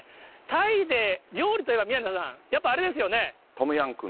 タイで料理といえば宮根さん、やっぱりあれですよね。